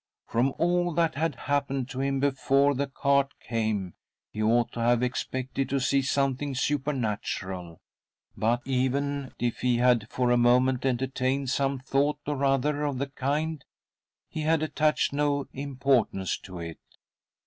From all that had happened to him before the cart came he ought to have expected to see something supernatural, but, even if he had for a moment entertained some thought or other of the kind, he had attached no importance to it.